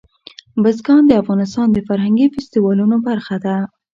بزګان د افغانستان د فرهنګي فستیوالونو برخه ده.